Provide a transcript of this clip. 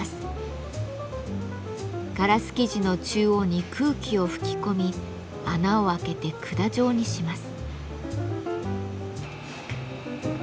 ガラス素地の中央に空気を吹き込み穴を開けて管状にします。